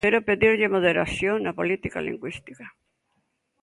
Quero pedirlle moderación na política lingüística.